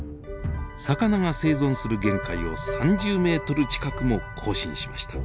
魚が生存する限界を３０ｍ近くも更新しました。